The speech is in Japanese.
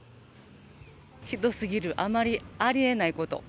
ひどすぎる、ありえないこと。